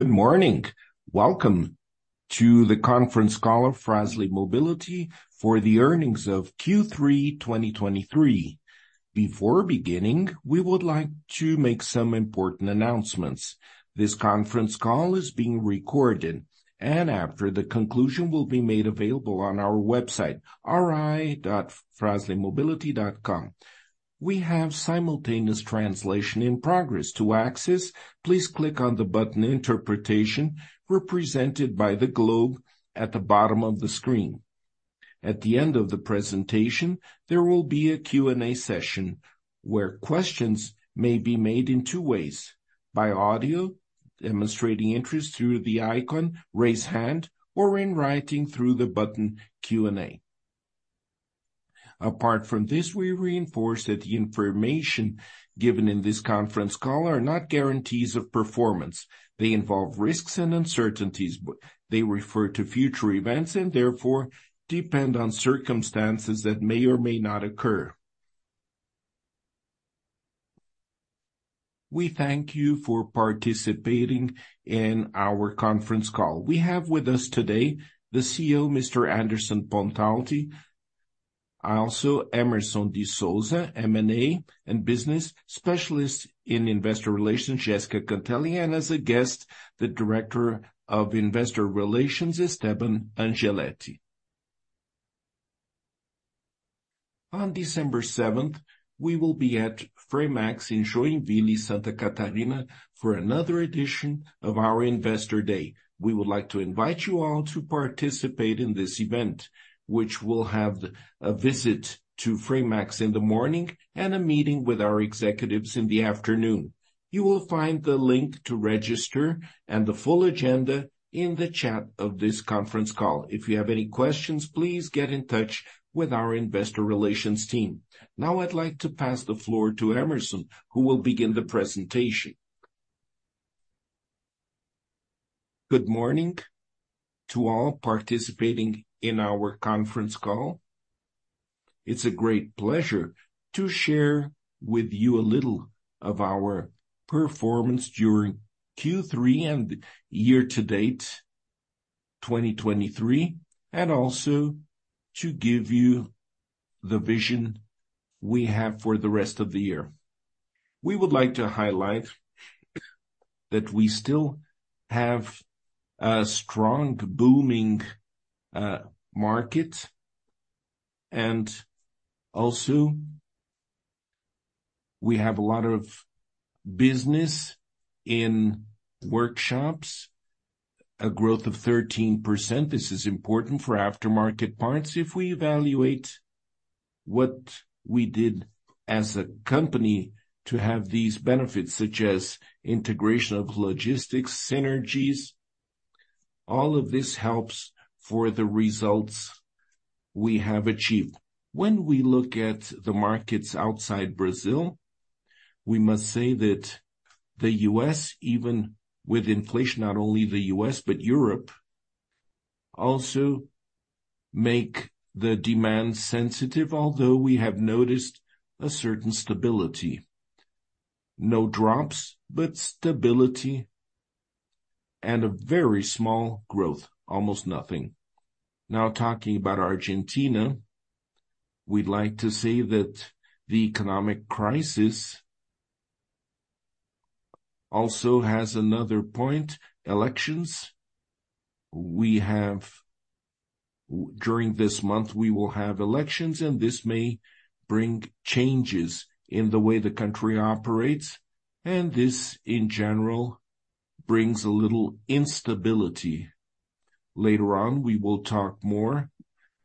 Good morning. Welcome to the conference call of Frasle Mobility for the earnings of Q3 2023. Before beginning, we would like to make some important announcements. This conference call is being recorded, and after the conclusion, will be made available on our website, ri.fraslemobility.com. We have simultaneous translation in progress. To access, please click on the button Interpretation, represented by the globe at the bottom of the screen. At the end of the presentation, there will be a Q&A session, where questions may be made in two ways: by audio, demonstrating interest through the icon Raise Hand, or in writing through the button Q&A. Apart from this, we reinforce that the information given in this conference call are not guarantees of performance. They involve risks and uncertainties. They refer to future events and therefore depend on circumstances that may or may not occur. We thank you for participating in our conference call. We have with us today the CEO, Mr. Anderson Pontalti, also Hemerson de Souza, M&A and business specialist in investor relations, Jéssica Cantele, and as a guest, the Director of Investor Relations, Esteban Angeletti. On December seventh, we will be at Fremax in Joinville, Santa Catarina, for another edition of our Investor Day. We would like to invite you all to participate in this event, which will have a visit to Fremax in the morning and a meeting with our executives in the afternoon. You will find the link to register and the full agenda in the chat of this conference call. If you have any questions, please get in touch with our investor relations team. Now, I'd like to pass the floor to Hemerson, who will begin the presentation. Good morning to all participating in our conference call. It's a great pleasure to share with you a little of our performance during Q3 and year-to-date 2023, and also to give you the vision we have for the rest of the year. We would like to highlight that we still have a strong, booming market, and also we have a lot of business in workshops, a growth of 13%. This is important for aftermarket parts if we evaluate what we did as a company to have these benefits, such as integration of logistics synergies. All of this helps for the results we have achieved. When we look at the markets outside Brazil, we must say that the U.S., even with inflation, not only the U.S., but Europe, also make the demand sensitive, although we have noticed a certain stability. No drops, but stability and a very small growth, almost nothing. Now, talking about Argentina, we'd like to say that the economic crisis also has another point: elections. We have. During this month, we will have elections, and this may bring changes in the way the country operates, and this, in general, brings a little instability. Later on, we will talk more.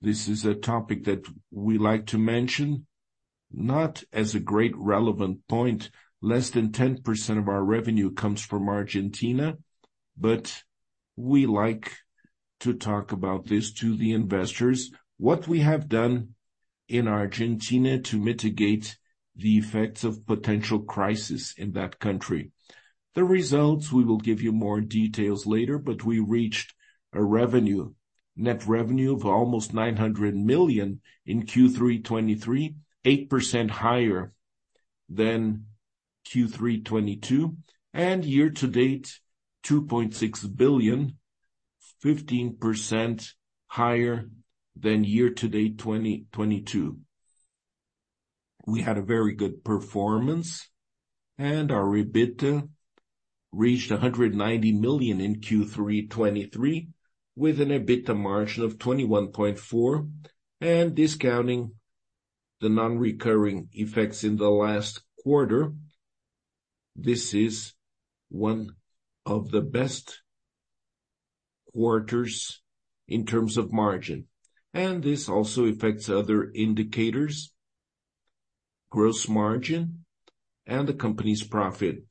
This is a topic that we like to mention, not as a great relevant point. Less than 10% of our revenue comes from Argentina, but we like to talk about this to the investors. What we have done in Argentina to mitigate the effects of potential crisis in that country. The results, we will give you more details later, but we reached a revenue, net revenue of almost 900 million in Q3 2023, 8% higher than Q3 2022, and year-to-date, BRL 2.6 billion, 15% higher than year-to-date 2022. We had a very good performance, and our EBITDA reached 190 million in Q3 2023, with an EBITDA margin of 21.4%, and discounting the non-recurring effects in the last quarter. This is one of the best quarters in terms of margin, and this also affects other indicators: gross margin and the company's profit.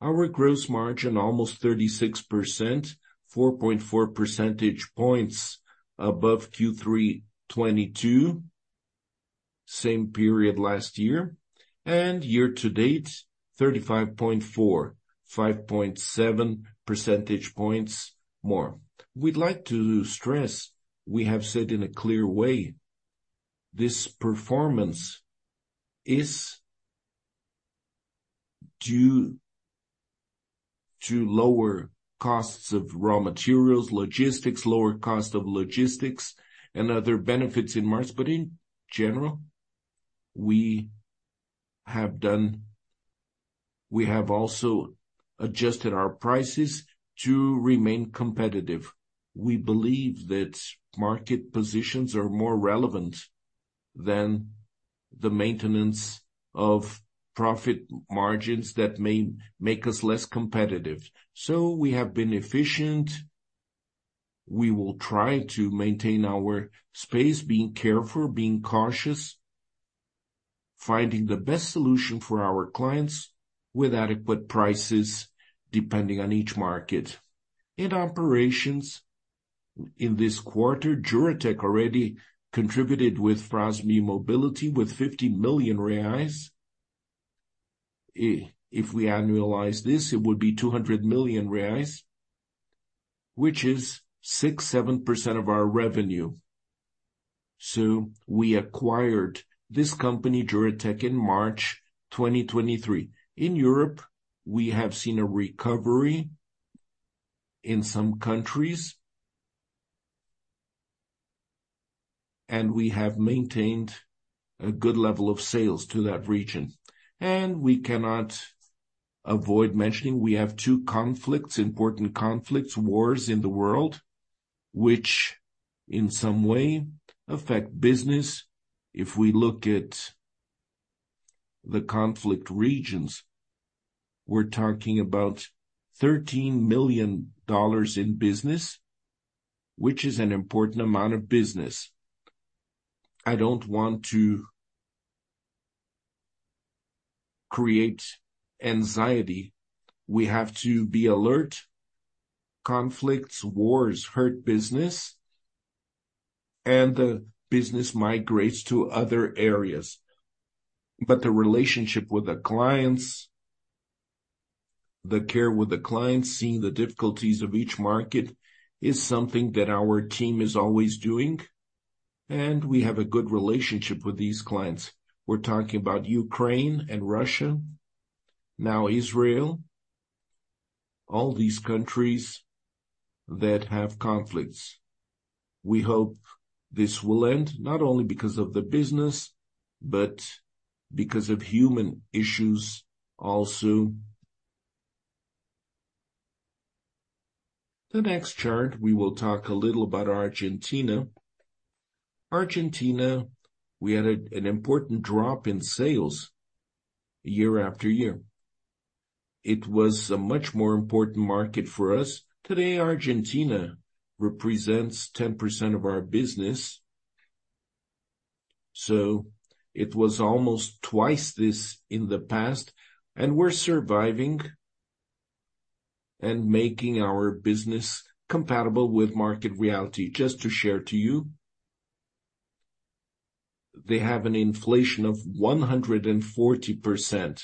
Our gross margin, almost 36%, 4.4 percentage points above Q3 2022, same period last year, and year-to-date, 35.4, 5.7 percentage points more. We'd like to stress, we have said in a clear way, this performance is due to lower costs of raw materials, logistics, lower cost of logistics and other benefits in March. But in general, we have also adjusted our prices to remain competitive. We believe that market positions are more relevant than the maintenance of profit margins that may make us less competitive. So we have been efficient. We will try to maintain our space, being careful, being cautious, finding the best solution for our clients with adequate prices, depending on each market. In operations, in this quarter, Juratec already contributed with Fras-le Mobility, with 50 million reais. If we annualize this, it would be 200 million reais, which is 6%-7% of our revenue. So we acquired this company, Juratec, in March 2023. In Europe, we have seen a recovery in some countries. We have maintained a good level of sales to that region, and we cannot avoid mentioning we have two conflicts, important conflicts, wars in the world, which in some way affect business. If we look at the conflict regions, we're talking about $13 million in business, which is an important amount of business. I don't want to create anxiety. We have to be alert. Conflicts, wars, hurt business, and the business migrates to other areas. But the relationship with the clients, the care with the clients, seeing the difficulties of each market, is something that our team is always doing, and we have a good relationship with these clients. We're talking about Ukraine and Russia, now Israel, all these countries that have conflicts. We hope this will end not only because of the business, but because of human issues also. The next chart, we will talk a little about Argentina. Argentina, we had an important drop in sales year after year. It was a much more important market for us. Today, Argentina represents 10% of our business, so it was almost twice this in the past, and we're surviving and making our business compatible with market reality. Just to share to you, they have an inflation of 140%.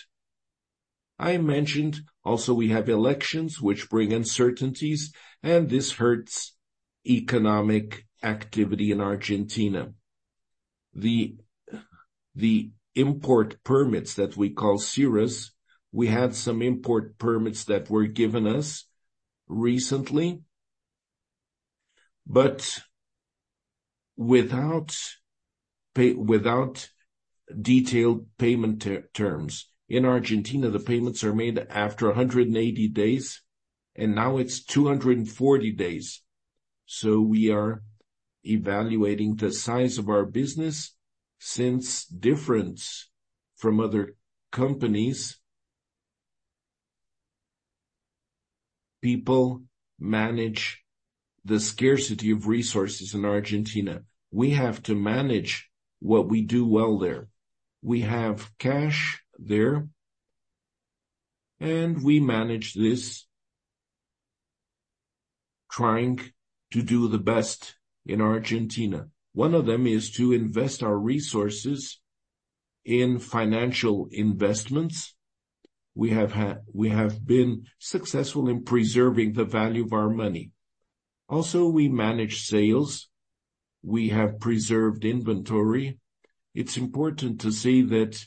I mentioned also we have elections which bring uncertainties, and this hurts economic activity in Argentina. The import permits that we call SIRAs, we had some import permits that were given us recently, but without detailed payment terms. In Argentina, the payments are made after 180 days, and now it's 240 days. So we are evaluating the size of our business, since difference from other companies. People manage the scarcity of resources in Argentina. We have to manage what we do well there. We have cash there, and we manage this, trying to do the best in Argentina. One of them is to invest our resources in financial investments. We have been successful in preserving the value of our money. Also, we manage sales. We have preserved inventory. It's important to say that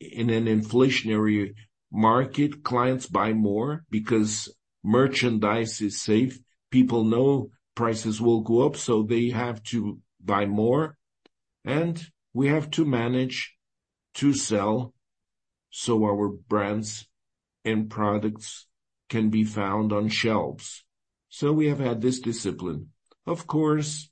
in an inflationary market, clients buy more because merchandise is safe. People know prices will go up, so they have to buy more, and we have to manage to sell, so our brands and products can be found on shelves. So we have had this discipline. Of course,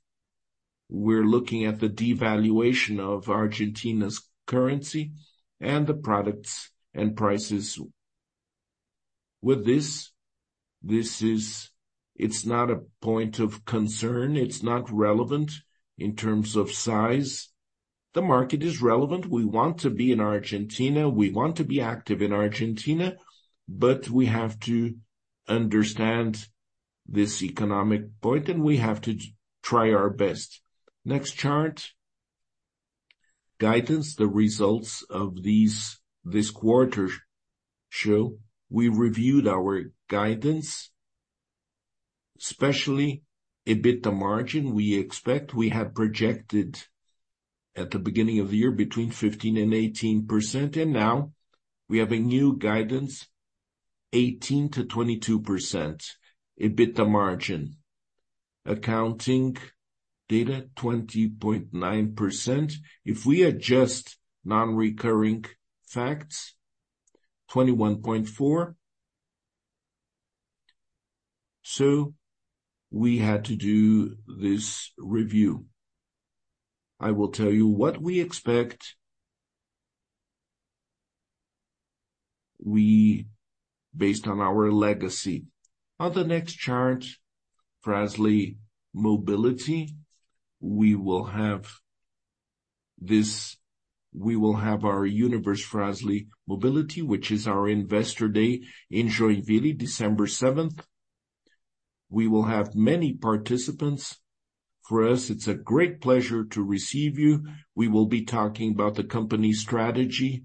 we're looking at the devaluation of Argentina's currency and the products and prices. With this, it's not a point of concern. It's not relevant in terms of size. The market is relevant. We want to be in Argentina. We want to be active in Argentina, but we have to understand this economic point, and we have to try our best. Next chart. Guidance. The results of this quarter show we reviewed our guidance, especially EBITDA margin. We expect we have projected at the beginning of the year between 15% and 18%, and now we have a new guidance, 18%-22% EBITDA margin. Accounting data, 20.9%. If we adjust non-recurring facts, 21.4%. So we had to do this review. I will tell you what we expect. We, based on our legacy. On the next chart, Frasle Mobility, we will have this, we will have our Universe Frasle Mobility, which is our investor day in Joinville, December seventh. We will have many participants. For us, it's a great pleasure to receive you. We will be talking about the company's strategy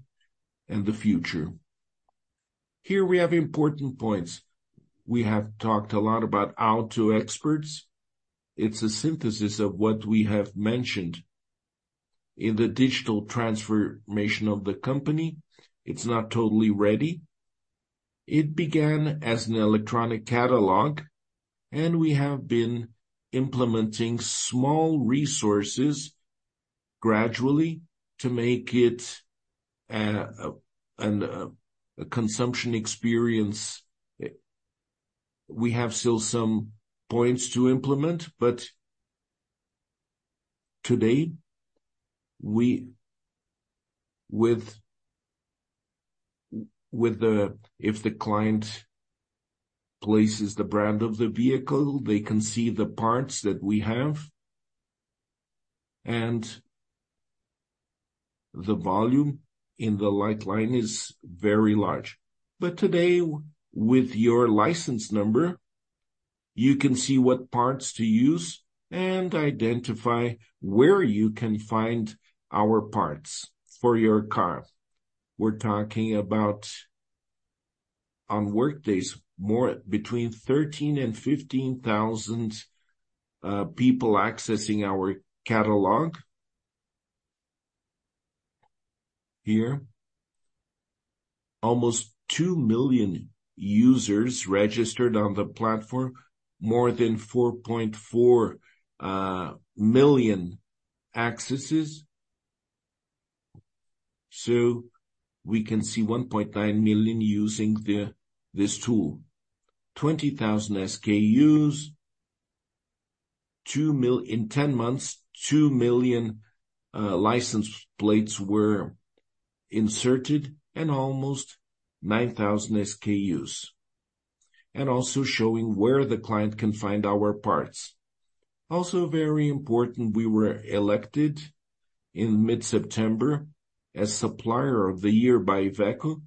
and the future. Here we have important points. We have talked a lot about AutoExperts. It's a synthesis of what we have mentioned in the digital transformation of the company. It's not totally ready. It began as an electronic catalog, and we have been implementing small resources gradually to make it a consumption experience. We have still some points to implement, but today, if the client places the brand of the vehicle, they can see the parts that we have, and the volume in the Light line is very large. But today, with your license number, you can see what parts to use and identify where you can find our parts for your car. We're talking about on workdays, more between 13 and 15 thousand people accessing our catalog. Here, almost 2 million users registered on the platform, more than 4.4 million accesses. So we can see 1.9 million using this tool. 20,000 SKUs, in 10 months, 2 million license plates were inserted and almost 9,000 SKUs, and also showing where the client can find our parts. Also, very important, we were elected in mid-September as Supplier of the Year by IVECO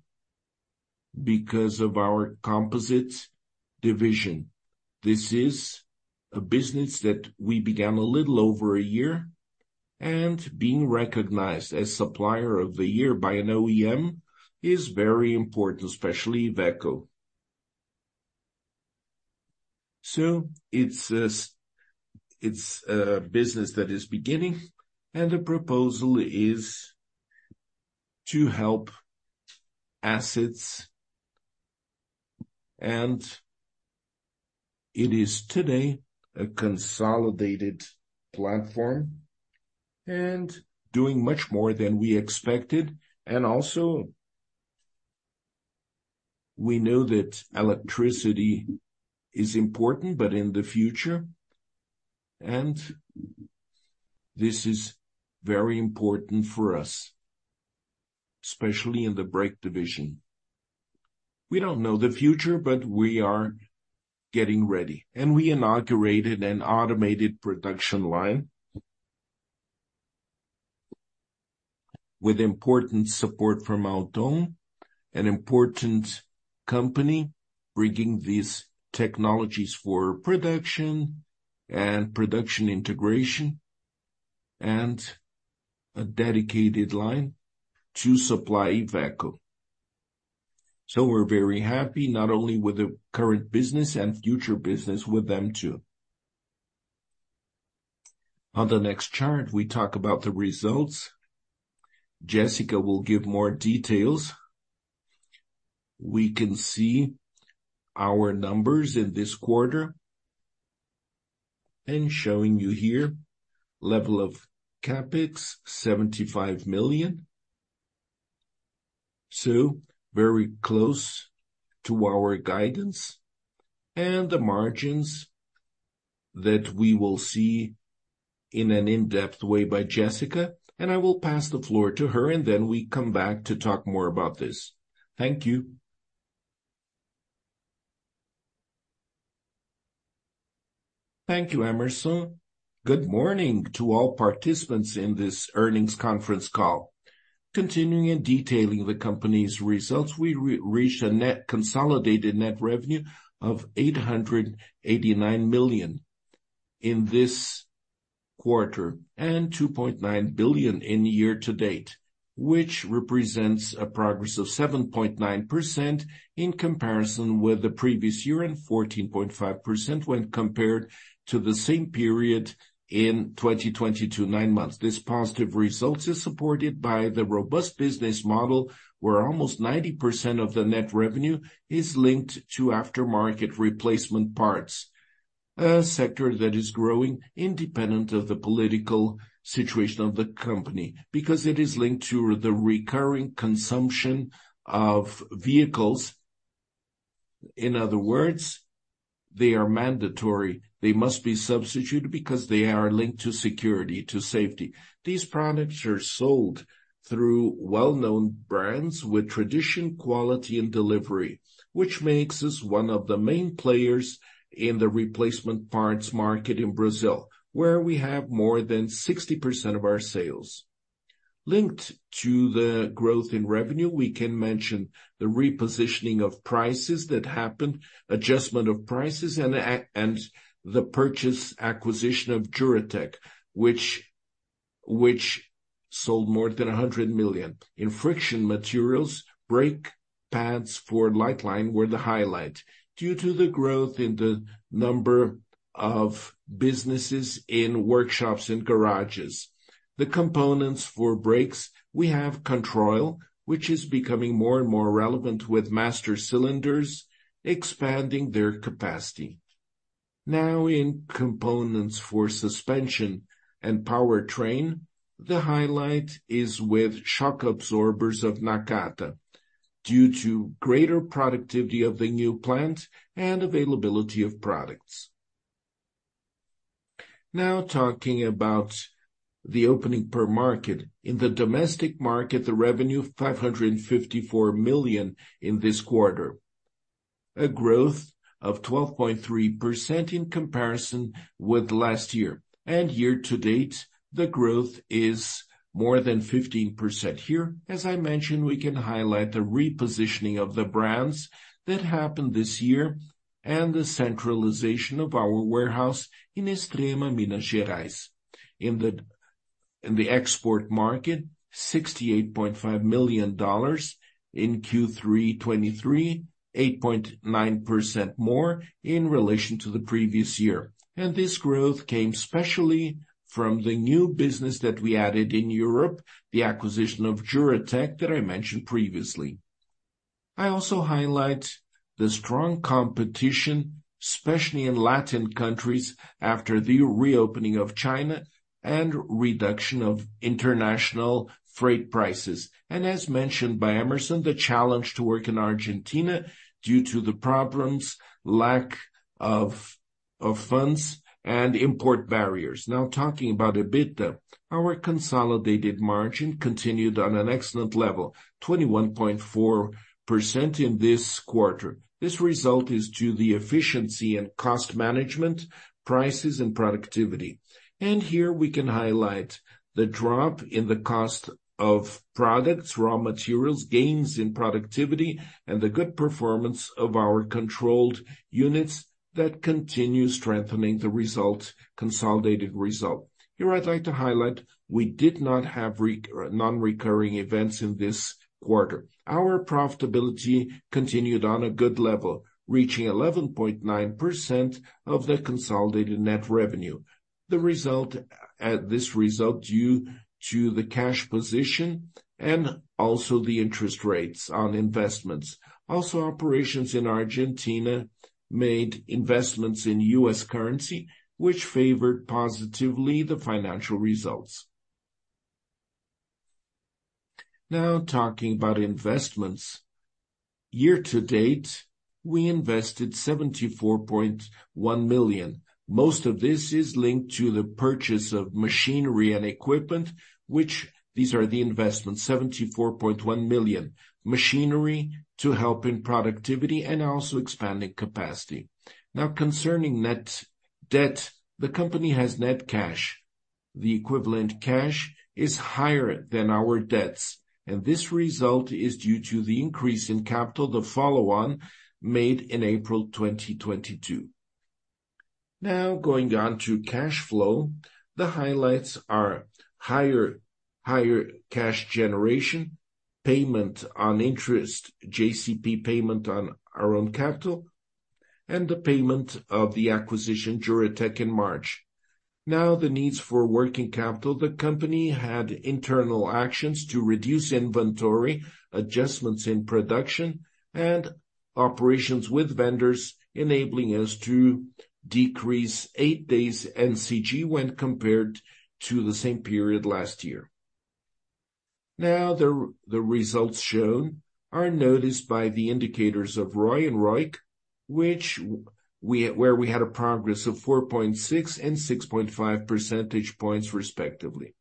because of our composites division. This is a business that we began a little over a year, and being recognized as Supplier of the Year by an OEM is very important, especially IVECO. So it's a business that is beginning, and the proposal is to help assets, and it is today a consolidated platform and doing much more than we expected. And also, we know that electricity is important, but in the future, and this is very important for us, especially in the brake division. We don't know the future, but we are getting ready, and we inaugurated an automated production line with important support from Alstom, an important company, bringing these technologies for production and production integration and a dedicated line to supply Iveco. So we're very happy, not only with the current business and future business with them, too. On the next chart, we talk about the results. Jessica will give more details. We can see our numbers in this quarter and showing you here level of CapEx, BRL 75 million. So very close to our guidance and the margins that we will see in an in-depth way by Jessica, and I will pass the floor to her, and then we come back to talk more about this. Thank you. Thank you, Hemerson. Good morning to all participants in this earnings conference call. Continuing and detailing the company's results, we reached a consolidated net revenue of 889 million in this quarter and 2.9 billion in year to date, which represents a progress of 7.9% in comparison with the previous year, and 14.5% when compared to the same period in 2020 nine months. This positive results is supported by the robust business model, where almost 90% of the net revenue is linked to aftermarket replacement parts. A sector that is growing independent of the political situation of the company, because it is linked to the recurring consumption of vehicles. In other words, they are mandatory. They must be substituted because they are linked to security, to safety. These products are sold through well-known brands with tradition, quality, and delivery, which makes us one of the main players in the replacement parts market in Brazil, where we have more than 60% of our sales. Linked to the growth in revenue, we can mention the repositioning of prices that happened, adjustment of prices, and the purchase acquisition of Juratek, which sold more than 100 million. In friction materials, brake pads for light line were the highlight. Due to the growth in the number of businesses in workshops and garages, the components for brakes, we have Controil, which is becoming more and more relevant, with master cylinders expanding their capacity. Now, in components for suspension and powertrain, the highlight is with shock absorbers of Nakata, due to greater productivity of the new plant and availability of products. Now talking about the opening per market. In the domestic market, the revenue 554 million in this quarter, a growth of 12.3% in comparison with last year. Year to date, the growth is more than 15% here. As I mentioned, we can highlight the repositioning of the brands that happened this year and the centralization of our warehouse in Extrema, Minas Gerais. In the export market, $68.5 million in Q3 2023, 8.9% more in relation to the previous year. And this growth came especially from the new business that we added in Europe, the acquisition of Juratek that I mentioned previously. I also highlight the strong competition, especially in Latin countries, after the reopening of China and reduction of international freight prices. And as mentioned by Hemerson, the challenge to work in Argentina due to the problems, lack of, of funds and import barriers. Now talking about EBITDA, our consolidated margin continued on an excellent level, 21.4% in this quarter. This result is due to the efficiency and cost management, prices, and productivity. And here we can highlight the drop in the cost of products, raw materials, gains in productivity, and the good performance of our controlled units that continue strengthening the results, consolidated result. Here I'd like to highlight, we did not have non-recurring events in this quarter. Our profitability continued on a good level, reaching 11.9% of the consolidated net revenue. The result, this result due to the cash position and also the interest rates on investments. Also, operations in Argentina made investments in U.S. currency, which favored positively the financial results. Now talking about investments. Year to date, we invested 74.1 million. Most of this is linked to the purchase of machinery and equipment, which these are the investments, 74.1 million. Machinery to help in productivity and also expanding capacity. Now concerning net debt, the company has net cash. The equivalent cash is higher than our debts, and this result is due to the increase in capital, the follow-on made in April 2022. Now going on to cash flow. The highlights are higher, higher cash generation, payment on interest, JCP payment on our own capital, and the payment of the acquisition, Juratek, in March. Now, the needs for working capital. The company had internal actions to reduce inventory, adjustments in production, and operations with vendors, enabling us to decrease eight days NCG when compared to the same period last year. Now, the results shown are noticed by the indicators of ROE and ROIC, where we had a progress of 4.6 and 6.5 percentage points, respectively.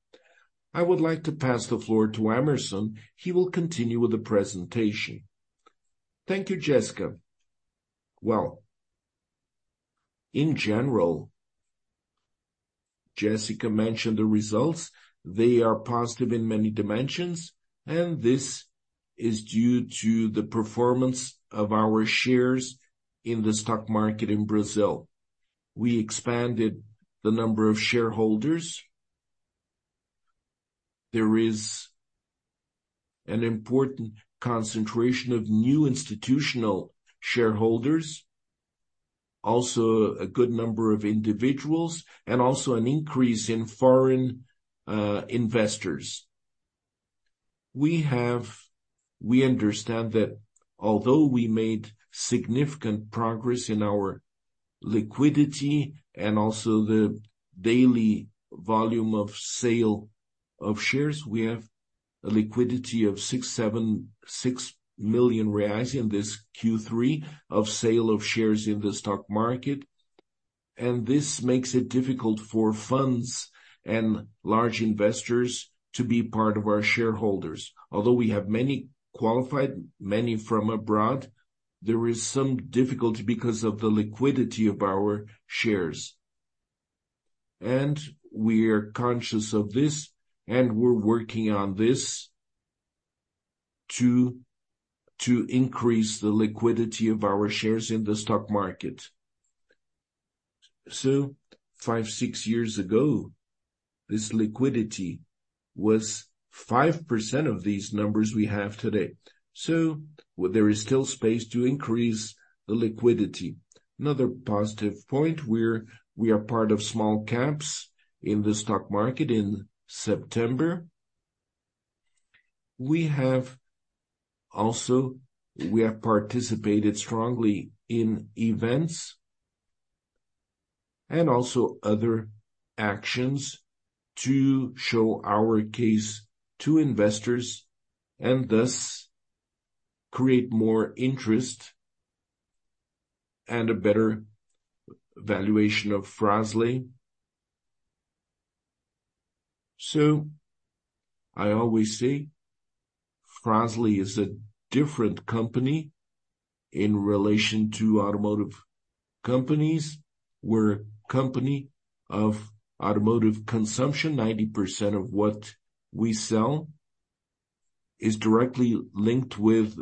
I would like to pass the floor to Hemerson. He will continue with the presentation. Thank you, Jessica. Well, in general, Jessica mentioned the results. They are positive in many dimensions, and this is due to the performance of our shares in the stock market in Brazil. We expanded the number of shareholders. There is an important concentration of new institutional shareholders, also a good number of individuals, and also an increase in foreign investors. We understand that although we made significant progress in our liquidity and also the daily volume of sale of shares, we have a liquidity of 676 million reais in this Q3 of sale of shares in the stock market, and this makes it difficult for funds and large investors to be part of our shareholders. Although we have many qualified, many from abroad, there is some difficulty because of the liquidity of our shares. We are conscious of this, and we're working on this to increase the liquidity of our shares in the stock market. So five-six years ago, this liquidity was 5% of these numbers we have today, so there is still space to increase the liquidity. Another positive point, we are part of small caps in the stock market in September. We have also participated strongly in events and also other actions to show our case to investors and thus create more interest and a better valuation of Fras-le. So I always say, Fras-le is a different company in relation to automotive companies. We're a company of automotive consumption. 90% of what we sell is directly linked with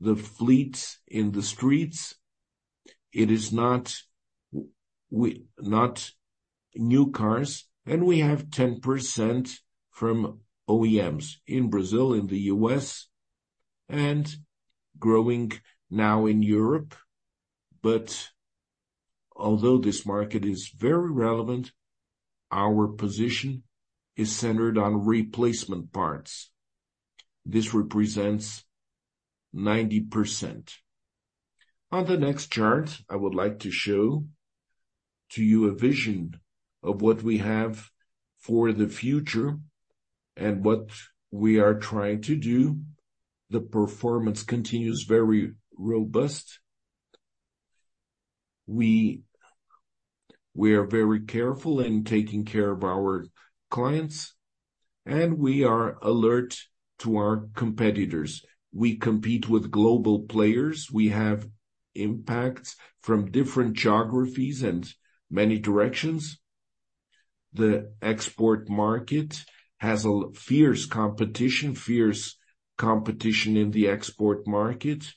the fleets in the streets. It is not new cars, and we have 10% from OEMs in Brazil, in the U.S., and growing now in Europe. But although this market is very relevant, our position is centered on replacement parts. This represents 90%. On the next chart, I would like to show to you a vision of what we have for the future and what we are trying to do. The performance continues very robust. We are very careful in taking care of our clients, and we are alert to our competitors. We compete with global players. We have impacts from different geographies and many directions. The export market has a fierce competition, fierce competition in the export market.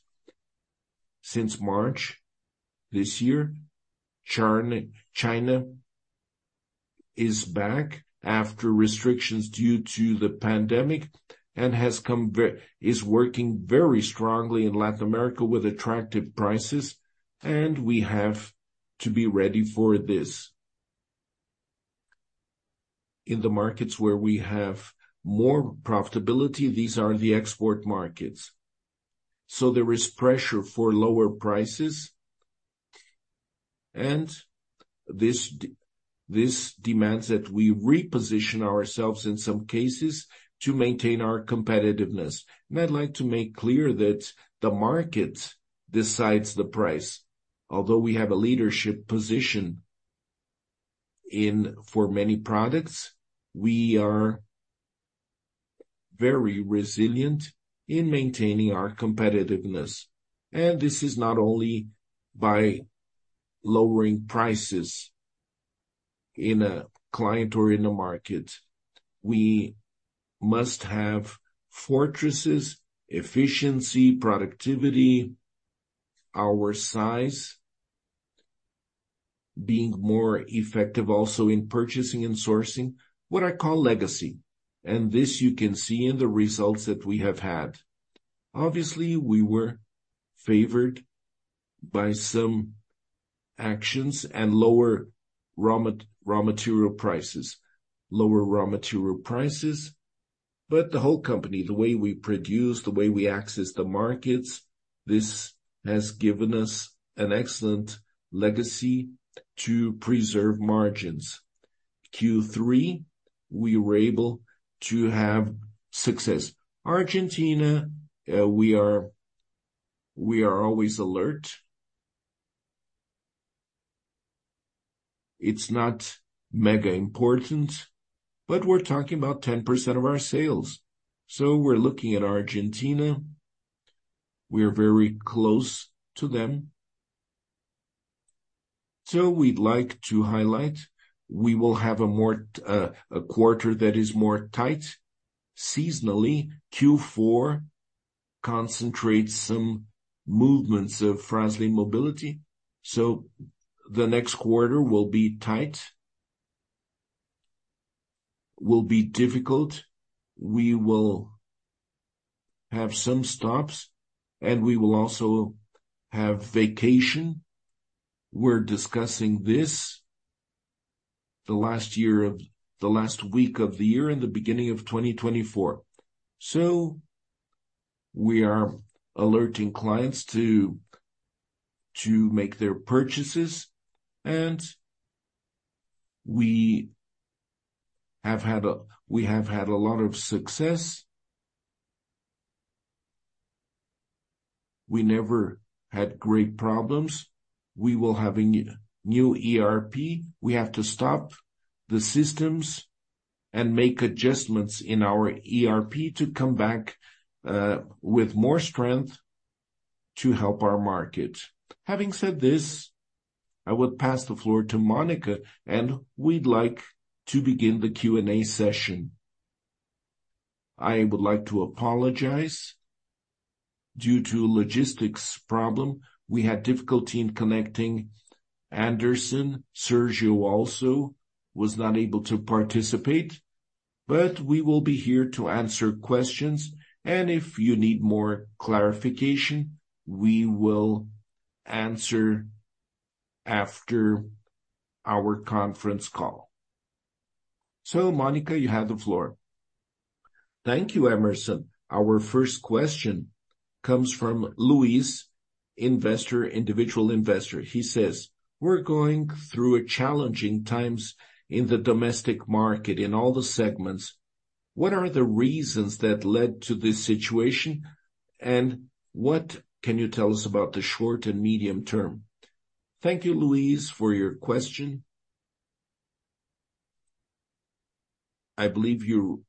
Since March this year, China is back after restrictions due to the pandemic and is working very strongly in Latin America with attractive prices, and we have to be ready for this. In the markets where we have more profitability, these are the export markets, so there is pressure for lower prices, and this demands that we reposition ourselves in some cases to maintain our competitiveness. And I'd like to make clear that the market decides the price. Although we have a leadership position in for many products, we are very resilient in maintaining our competitiveness. This is not only by lowering prices in a client or in a market. We must have fortresses, efficiency, productivity, our size, being more effective also in purchasing and sourcing, what I call legacy, and this you can see in the results that we have had. Obviously, we were favored by some actions and lower raw material prices, but the whole company, the way we produce, the way we access the markets, this has given us an excellent legacy to preserve margins. Q3, we were able to have success. Argentina, we are, we are always alert. It's not mega important, but we're talking about 10% of our sales, so we're looking at Argentina... We are very close to them. So we'd like to highlight, we will have a more, a quarter that is more tight. Seasonally, Q4 concentrates some movements of Fras-le Mobility, so the next quarter will be tight, will be difficult. We will have some stops, and we will also have vacation. We're discussing this, the last week of the year, in the beginning of 2024. So we are alerting clients to make their purchases, and we have had a lot of success. We never had great problems. We will have a new ERP. We have to stop the systems and make adjustments in our ERP to come back with more strength to help our market. Having said this, I would pass the floor to Monica, and we'd like to begin the Q&A session. I would like to apologize. Due to logistics problem, we had difficulty in connecting Anderson. Sérgio also was not able to participate, but we will be here to answer questions, and if you need more clarification, we will answer after our conference call. So, Monica, you have the floor. Thank you, Hemerson. Our first question comes from Luis, investor, individual investor. He says: We're going through a challenging times in the domestic market, in all the segments. What are the reasons that led to this situation, and what can you tell us about the short and medium term? Thank you, Luis, for your question. I believe you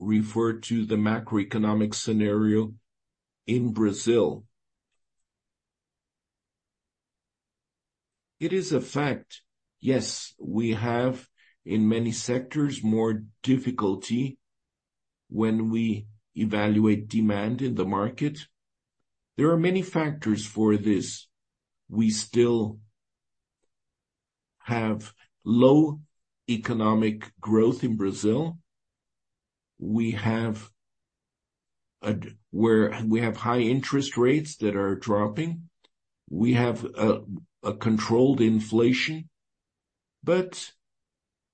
refer to the macroeconomic scenario in Brazil. It is a fact. Yes, we have, in many sectors, more difficulty when we evaluate demand in the market. There are many factors for this. We still have low economic growth in Brazil. We have where we have high interest rates that are dropping. We have a controlled inflation, but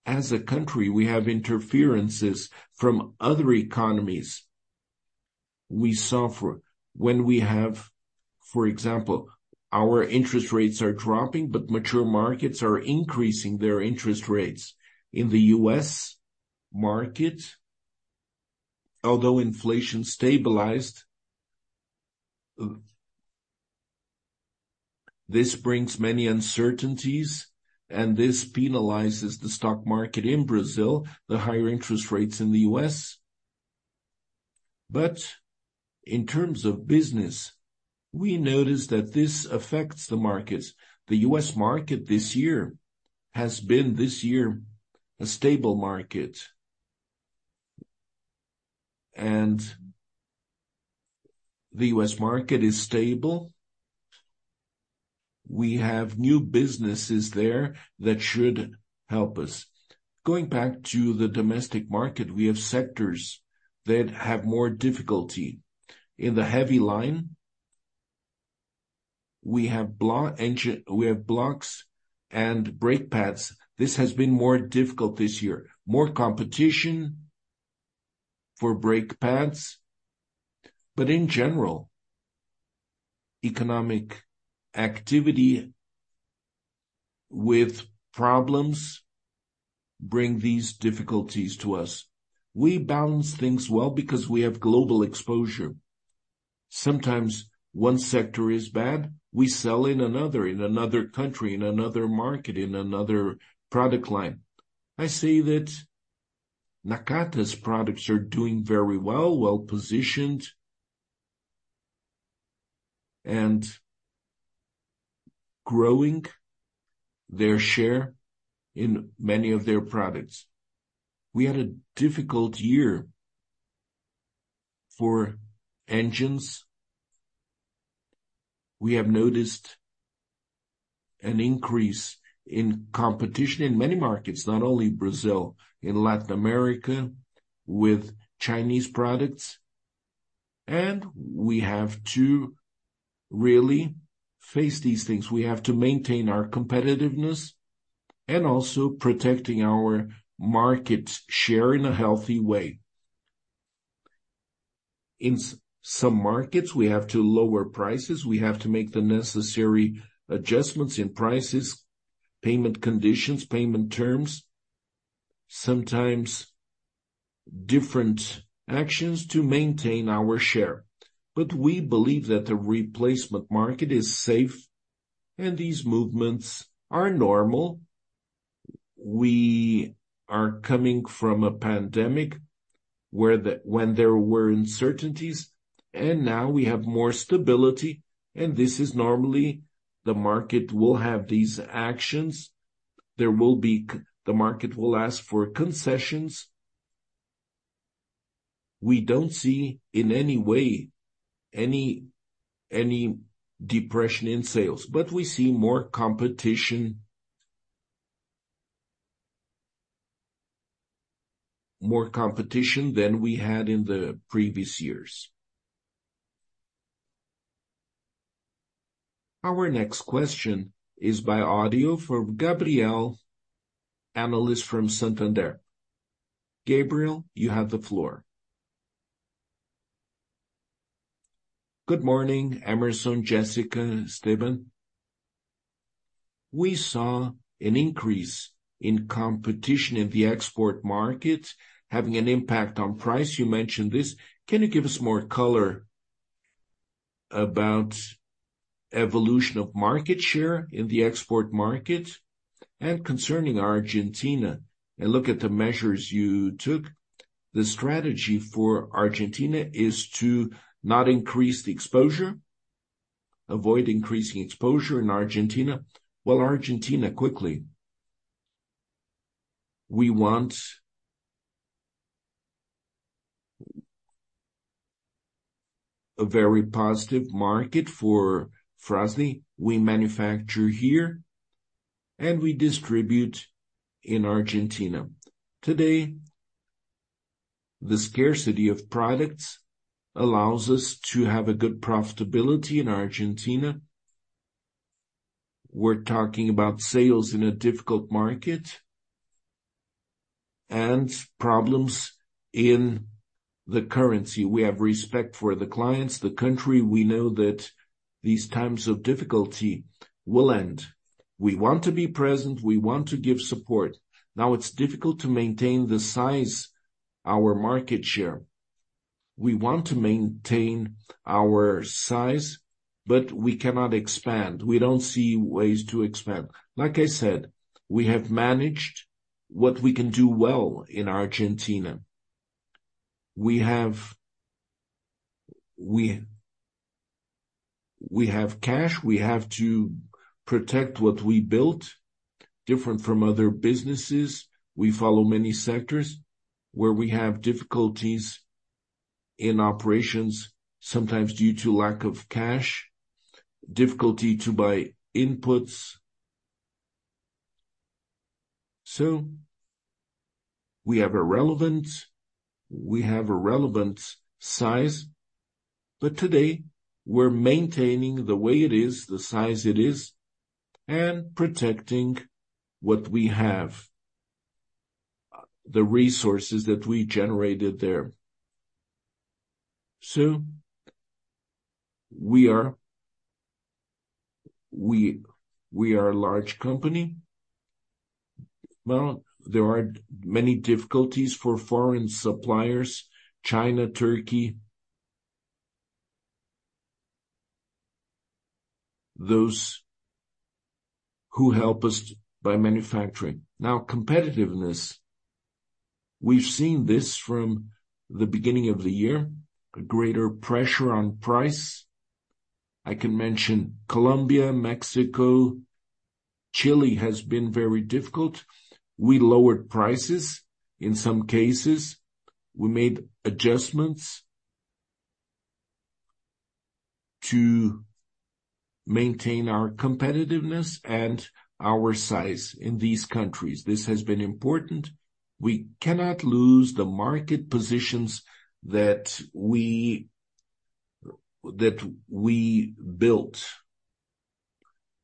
as a country, we have interferences from other economies. We suffer when we have, for example, our interest rates are dropping, but mature markets are increasing their interest rates. In the U.S. market, although inflation stabilized, this brings many uncertainties, and this penalizes the stock market in Brazil, the higher interest rates in the U.S. But in terms of business, we noticed that this affects the markets. The U.S. market this year has been this year a stable market. And the U.S. market is stable. We have new businesses there that should help us. Going back to the domestic market, we have sectors that have more difficulty. In the heavy line, we have engine, we have blocks and brake pads. This has been more difficult this year. More competition for brake pads, but in general, economic activity with problems bring these difficulties to us. We balance things well because we have global exposure. Sometimes one sector is bad, we sell in another, in another country, in another market, in another product line. I see that Nakata's products are doing very well, well-positioned, and growing their share in many of their products. We had a difficult year for engines. We have noticed an increase in competition in many markets, not only Brazil, in Latin America, with Chinese products, and we have to really face these things. We have to maintain our competitiveness and also protecting our market share in a healthy way. In some markets, we have to lower prices. We have to make the necessary adjustments in prices, payment conditions, payment terms, sometimes different actions to maintain our share. But we believe that the replacement market is safe, and these movements are normal. We are coming from a pandemic where the, when there were uncertainties, and now we have more stability, and this is normally the market will have these actions. There will be the market will ask for concessions. We don't see in any way, any, any depression in sales, but we see more competition. More competition than we had in the previous years. Our next question is by audio from Gabriel, analyst from Santander. Gabriel, you have the floor. Good morning, Hemerson, Jessica, Esteban. We saw an increase in competition in the export market, having an impact on price. You mentioned this. Can you give us more color about evolution of market share in the export market? And concerning Argentina, I look at the measures you took. The strategy for Argentina is to not increase the exposure, avoid increasing exposure in Argentina? Well, Argentina, quickly. We want a very positive market for Fras-le. We manufacture here and we distribute in Argentina. Today, the scarcity of products allows us to have a good profitability in Argentina. We're talking about sales in a difficult market and problems in the currency. We have respect for the clients, the country. We know that these times of difficulty will end. We want to be present, we want to give support. Now, it's difficult to maintain the size, our market share. We want to maintain our size, but we cannot expand. We don't see ways to expand. Like I said, we have managed what we can do well in Argentina. We have cash, we have to protect what we built, different from other businesses. We follow many sectors where we have difficulties in operations, sometimes due to lack of cash, difficulty to buy inputs. So we have a relevant size, but today we're maintaining the way it is, the size it is, and protecting what we have, the resources that we generated there. So we are a large company. Well, there are many difficulties for foreign suppliers, China, Turkey, those who help us by manufacturing. Now, competitiveness, we've seen this from the beginning of the year, a greater pressure on price. I can mention Colombia, Mexico, Chile has been very difficult. We lowered prices. In some cases, we made adjustments to maintain our competitiveness and our size in these countries. This has been important. We cannot lose the market positions that we built,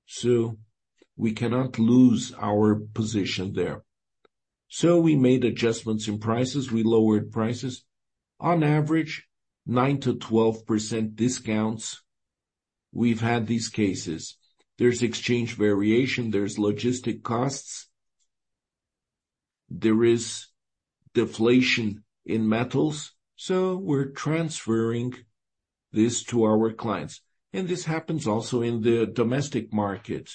so we cannot lose our position there. So we made adjustments in prices. We lowered prices. On average, 9%-12% discounts, we've had these cases. There's exchange variation, there's logistics costs, there is deflation in metals, so we're transferring this to our clients. And this happens also in the domestic market.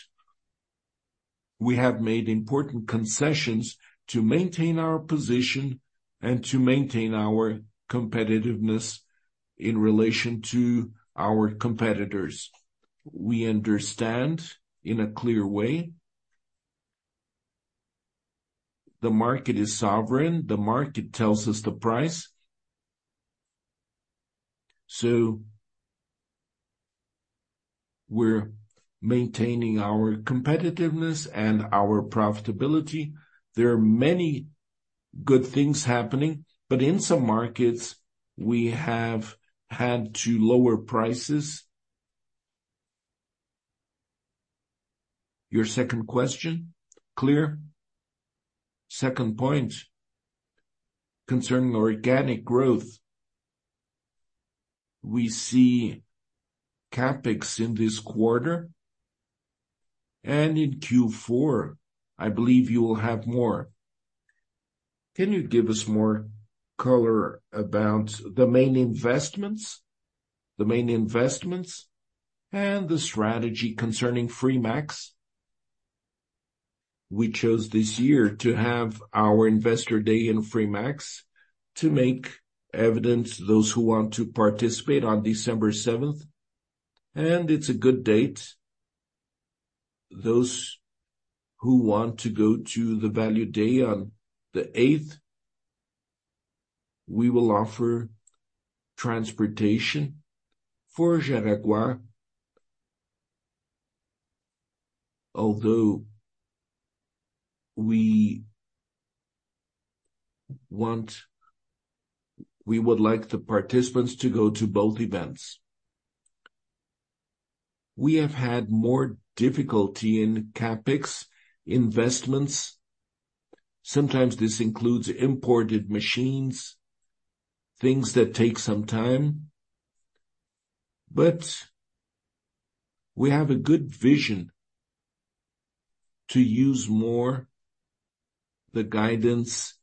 We have made important concessions to maintain our position and to maintain our competitiveness in relation to our competitors. We understand in a clear way, the market is sovereign, the market tells us the price. So we're maintaining our competitiveness and our profitability. There are many good things happening, but in some markets, we have had to lower prices. Your second question, clear? Second point, concerning organic growth. We see CapEx in this quarter, and in Q4, I believe you will have more. Can you give us more color about the main investments, the main investments, and the strategy concerning Fremax? We chose this year to have our investor day in Fremax, to make evident those who want to participate on December seventh, and it's a good date. Those who want to go to the Value Day on the eighth, we will offer transportation for Jaragua. Although we want, we would like the participants to go to both events. We have had more difficulty in CapEx investments. Sometimes this includes imported machines, things that take some time, but we have a good vision to use more the guidance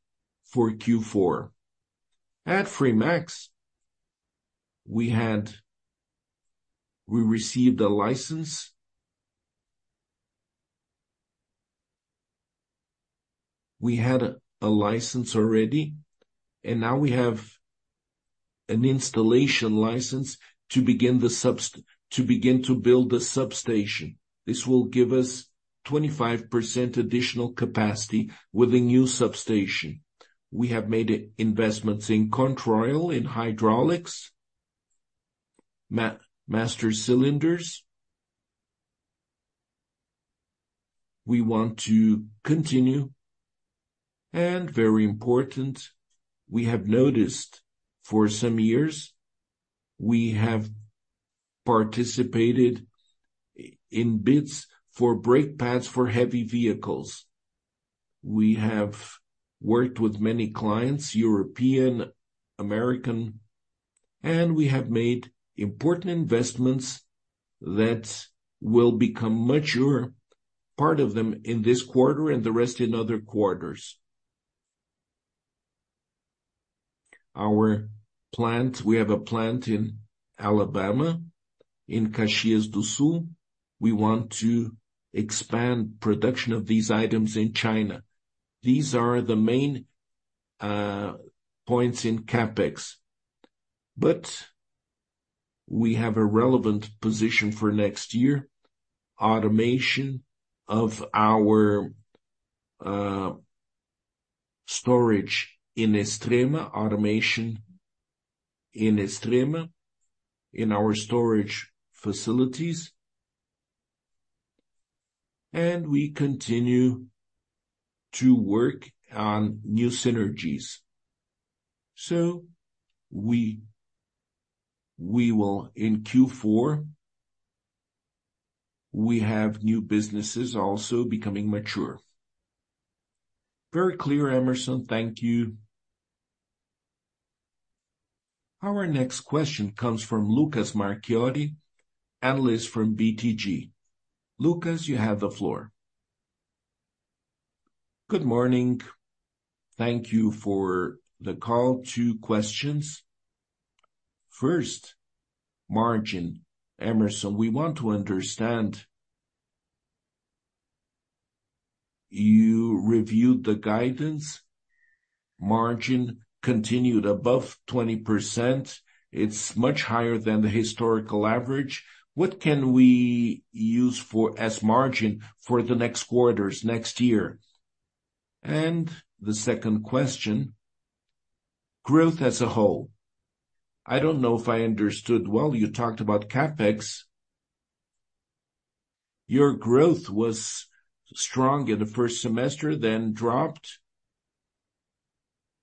for Q4. At Fremax, we received a license. We had a license already, and now we have an installation license to begin to build the substation. This will give us 25% additional capacity with a new substation. We have made investments in control, in hydraulics, master cylinders. We want to continue, and very important, we have noticed for some years, we have participated in bids for brake pads for heavy vehicles. We have worked with many clients, European, American, and we have made important investments that will become mature, part of them in this quarter and the rest in other quarters. Our plant, we have a plant in Alabama, in Caxias do Sul. We want to expand production of these items in China. These are the main points in CapEx, but we have a relevant position for next year. Automation of our storage in Extrema, automation in Extrema, in our storage facilities. And we continue to work on new synergies. So we will in Q4, we have new businesses also becoming mature. Very clear, Emerson. Thank you. Our next question comes from Lucas Marchiori, analyst from BTG. Lucas, you have the floor. Good morning. Thank you for the call. Two questions. First, margin. Emerson, we want to understand. You reviewed the guidance. Margin continued above 20%. It's much higher than the historical average. What can we use for, as margin for the next quarters, next year? And the second question, growth as a whole. I don't know if I understood well, you talked about CapEx. Your growth was strong in the first semester, then dropped.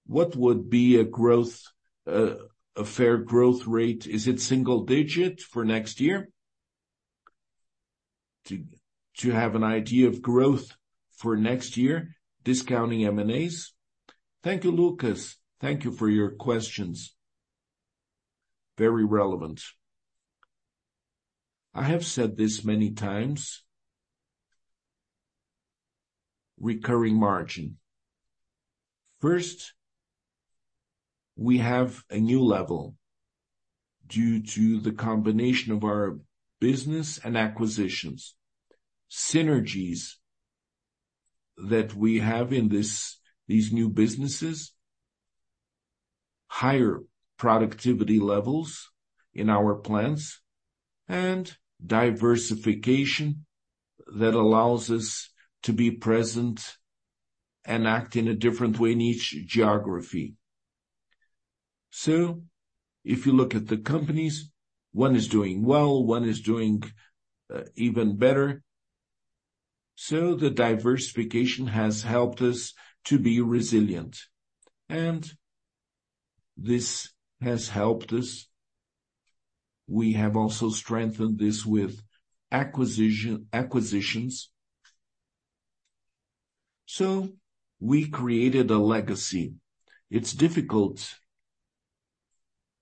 What would be a growth, a fair growth rate? Is it single digit for next year, to, to have an idea of growth for next year, discounting M&As? Thank you, Lucas. Thank you for your questions. Very relevant. I have said this many times, recurring margin. First, we have a new level due to the combination of our business and acquisitions, synergies that we have in this, these new businesses, higher productivity levels in our plants, and diversification that allows us to be present and act in a different way in each geography. So if you look at the companies, one is doing well, one is doing even better. So the diversification has helped us to be resilient, and this has helped us. We have also strengthened this with acquisitions. So we created a legacy. It's difficult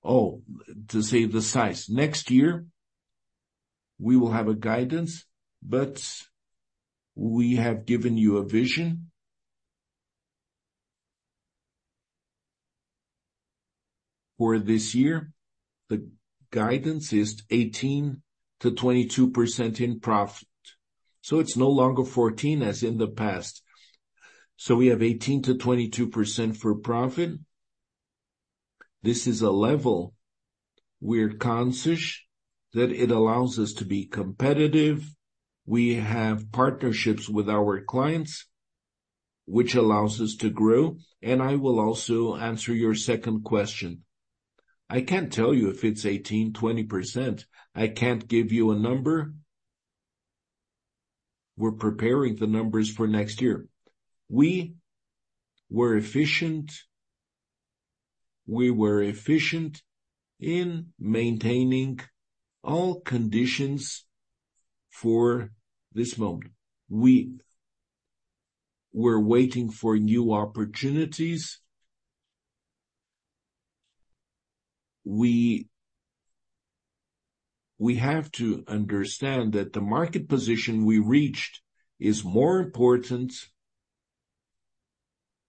to say the size. Next year, we will have a guidance, but we have given you a vision. For this year, the guidance is 18%-22% in profit, so it's no longer 14%, as in the past. So we have 18%-22% for profit. This is a level we're conscious that it allows us to be competitive. We have partnerships with our clients, which allows us to grow. I will also answer your second question. I can't tell you if it's 18%-20%. I can't give you a number. We're preparing the numbers for next year. We were efficient, we were efficient in maintaining all conditions for this moment. We were waiting for new opportunities. We have to understand that the market position we reached is more important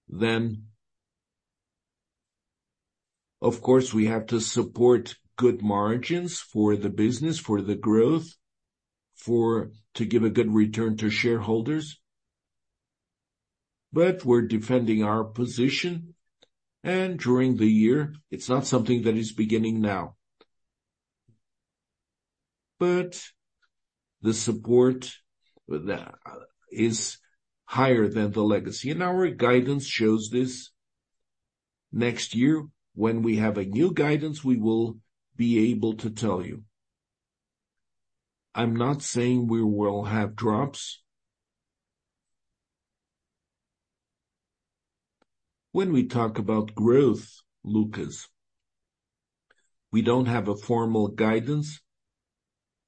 than. Of course, we have to support good margins for the business, for the growth, for to give a good return to shareholders. But we're defending our position, and during the year, it's not something that is beginning now. But the support with that is higher than the legacy, and our guidance shows this. Next year, when we have a new guidance, we will be able to tell you. I'm not saying we will have drops. When we talk about growth, Lucas, we don't have a formal guidance,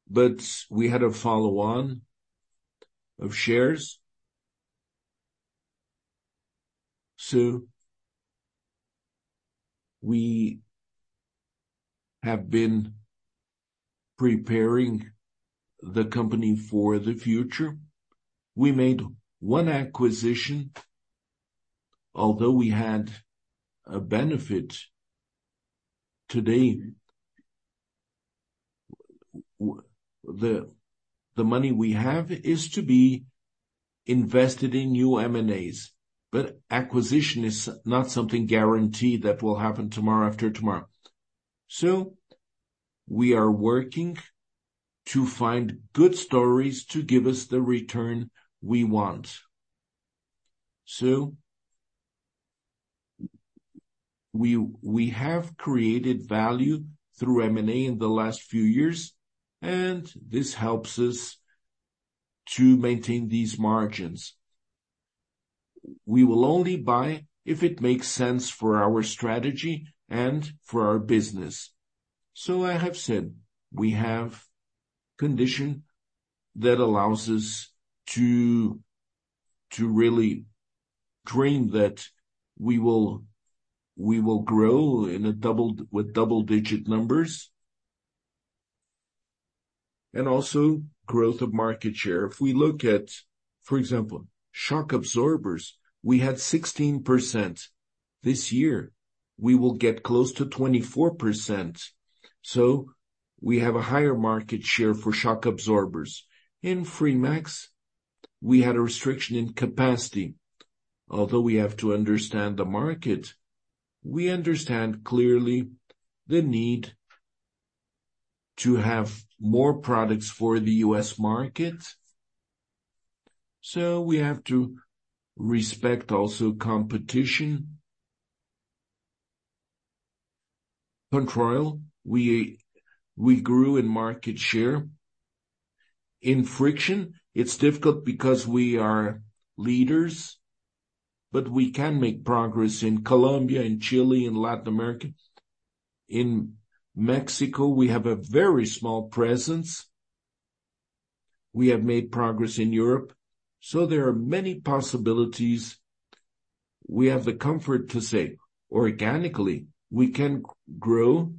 but we had a follow-on of shares. So we have been preparing the company for the future. We made one acquisition, although we had a benefit today. The money we have is to be invested in new M&As, but acquisition is not something guaranteed that will happen tomorrow, after tomorrow. So we are working to find good stories to give us the return we want. So we have created value through M&A in the last few years, and this helps us to maintain these margins. We will only buy if it makes sense for our strategy and for our business. So I have said, we have condition that allows us to, to really dream that we will, we will grow in a double-digit with double-digit numbers. And also growth of market share. If we look at, for example, shock absorbers, we had 16%. This year, we will get close to 24%. So we have a higher market share for shock absorbers. In Fremax, we had a restriction in capacity. Although we have to understand the market, we understand clearly the need to have more products for the U.S. market, so we have to respect also competition. Controil, we, we grew in market share. In friction, it's difficult because we are leaders, but we can make progress in Colombia and Chile and Latin America. In Mexico, we have a very small presence. We have made progress in Europe, so there are many possibilities. We have the comfort to say, organically, we can grow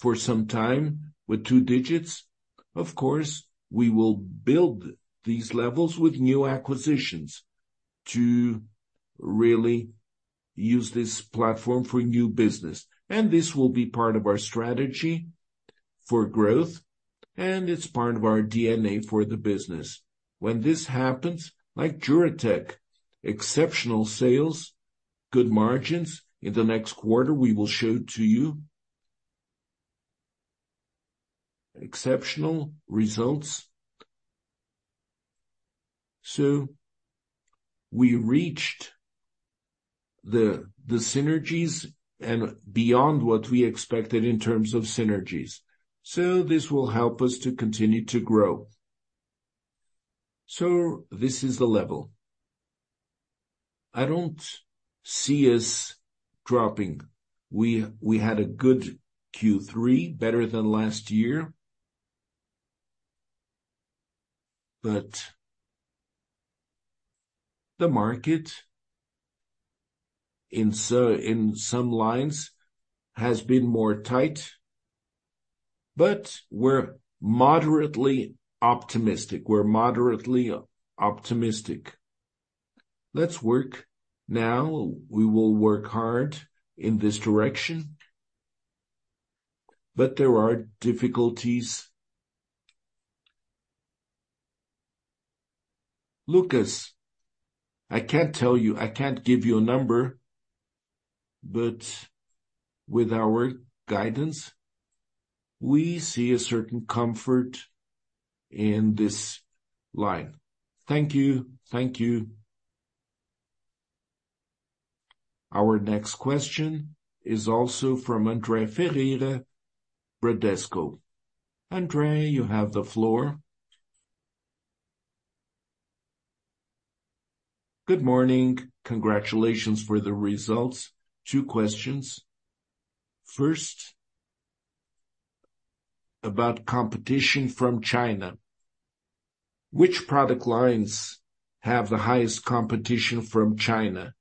for some time with two digits. Of course, we will build these levels with new acquisitions to really use this platform for new business, and this will be part of our strategy for growth, and it's part of our DNA for the business. When this happens, like Duratech, exceptional sales, good margins. In the next quarter, we will show to you exceptional results. So we reached the synergies and beyond what we expected in terms of synergies. So this will help us to continue to grow. So this is the level. I don't see us dropping. We had a good Q3, better than last year but the market in so, in some lines has been more tight, but we're moderately optimistic. We're moderately optimistic. Let's work now. We will work hard in this direction, but there are difficulties. Lucas, I can't tell you, I can't give you a number, but with our guidance, we see a certain comfort in this line. Thank you. Thank you. Our next question is also from Andre Ferreira, Bradesco. Andre, you have the floor. Good morning. Congratulations for the results. Two questions. First, about competition from China. Which product lines have the highest competition from China?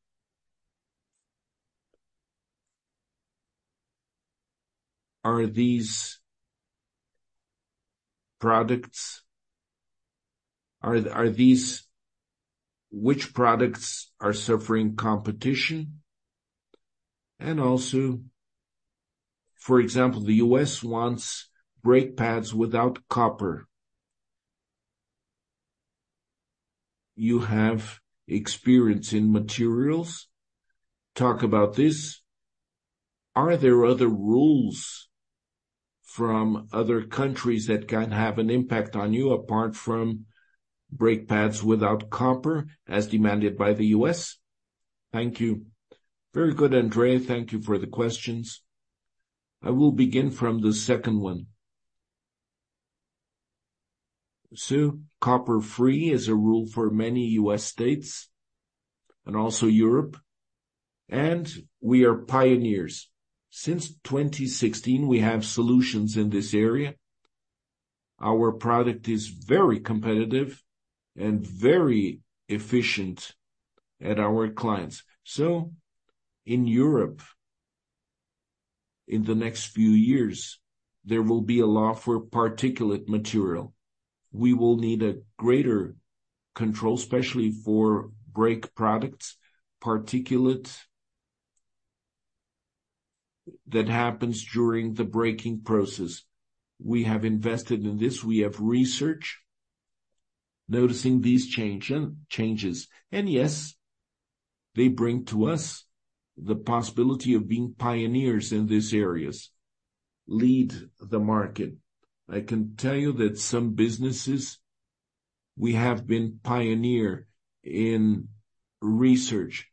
Are these products, are these, which products are suffering competition? And also, for example, the U.S. wants brake pads without copper. You have experience in materials. Talk about this. Are there other rules from other countries that can have an impact on you, apart from brake pads without copper, as demanded by the U.S.? Thank you. Very good, Andre. Thank you for the questions. I will begin from the second one. So copper-free is a rule for many U.S. states and also Europe, and we are pioneers. Since 2016, we have solutions in this area. Our product is very competitive and very efficient at our clients. So in Europe, in the next few years, there will be a law for particulate material. We will need a greater control, especially for brake products, particulates, that happens during the braking process. We have invested in this. We have research, noticing these changes. And yes, they bring to us the possibility of being pioneers in these areas, lead the market. I can tell you that some businesses, we have been pioneer in research.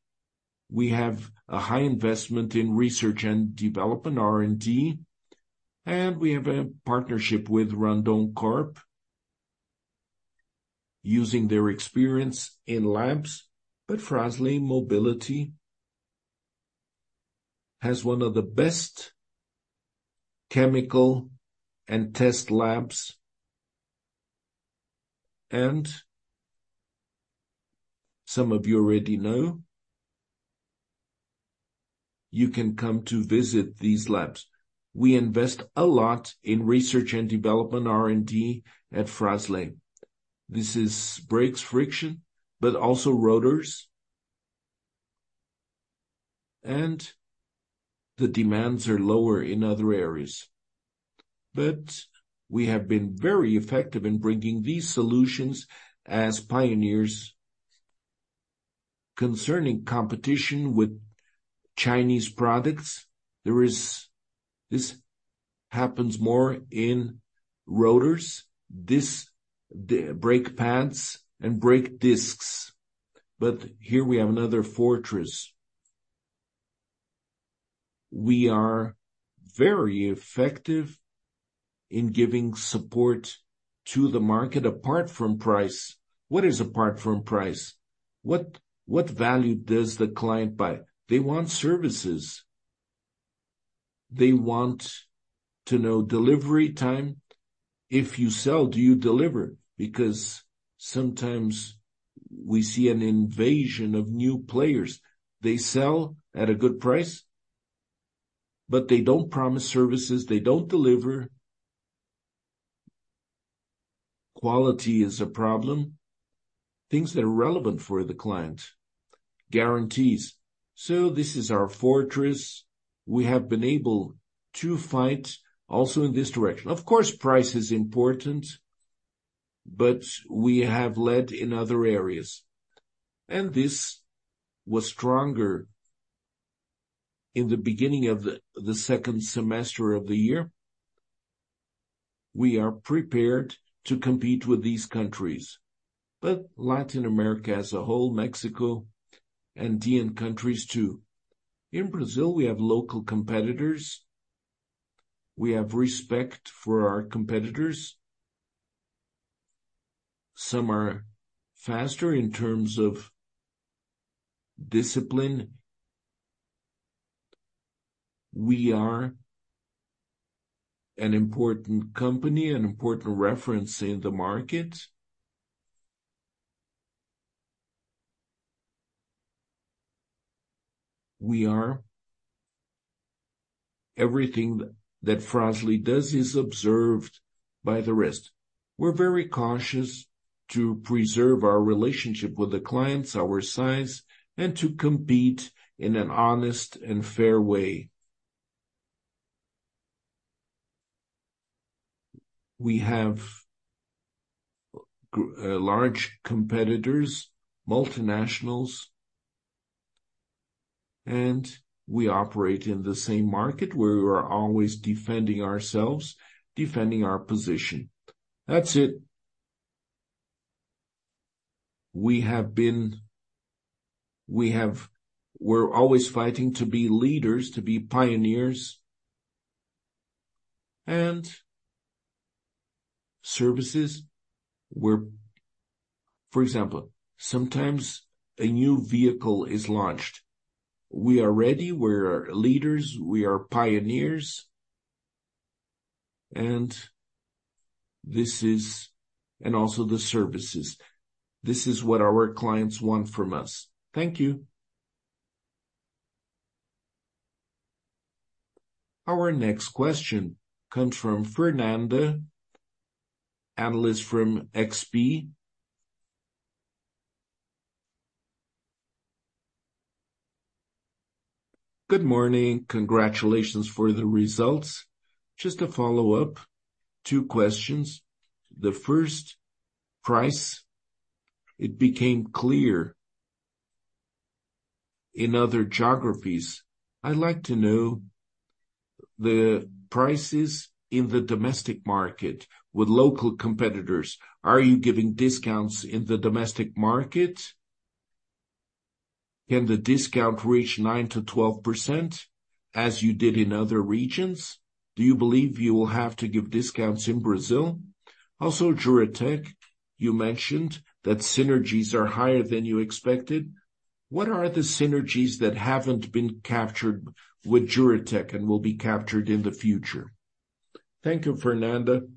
We have a high investment in research and development, R&D, and we have a partnership with Randoncorp, using their experience in labs. But Frasle Mobility has one of the best chemical and test labs. Some of you already know, you can come to visit these labs. We invest a lot in research and development, R&D, at Fras-le. This is brake friction, but also rotors, and the demands are lower in other areas. But we have been very effective in bringing these solutions as pioneers. Concerning competition with Chinese products, there is this happens more in rotors, this, the brake pads and brake discs, but here we have another fortress. We are very effective in giving support to the market, apart from price. What is apart from price? What, what value does the client buy? They want services. They want to know delivery time. If you sell, do you deliver? Because sometimes we see an invasion of new players. They sell at a good price, but they don't promise services. They don't deliver. Quality is a problem, things that are relevant for the client, guarantees. So this is our fortress. We have been able to fight also in this direction. Of course, price is important, but we have led in other areas, and this was stronger in the beginning of the second semester of the year. We are prepared to compete with these countries, but Latin America as a whole, Mexico, Andean countries, too. In Brazil, we have local competitors. We have respect for our competitors. Some are faster in terms of discipline. We are an important company, an important reference in the market. We are, everything that Fras-le does is observed by the rest. We're very cautious to preserve our relationship with the clients, our size, and to compete in an honest and fair way. We have large competitors, multinationals, and we operate in the same market where we are always defending ourselves, defending our position. That's it. We're always fighting to be leaders, to be pioneers, and services where, for example, sometimes a new vehicle is launched. We are ready, we are leaders, we are pioneers, and this is and also the services. This is what our clients want from us. Thank you. Our next question comes from Fernando, analyst from XP. Good morning. Congratulations for the results. Just a follow-up, two questions. The first, price. It became clear in other geographies. I'd like to know the prices in the domestic market with local competitors. Are you giving discounts in the domestic market? Can the discount reach 9%-12%, as you did in other regions? Do you believe you will have to give discounts in Brazil? Also, Juratec, you mentioned that synergies are higher than you expected. What are the synergies that haven't been captured with Juratec and will be captured in the future? Thank you, Fernando.